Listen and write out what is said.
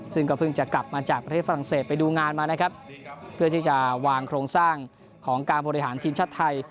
ซึ่งก็เพิ่งจะกลับมาจากประเทศฝรั่งเศสไปดูงานมานะครับเพื่อที่จะวางโครงสร้างของการบริหารทีมชาติไทย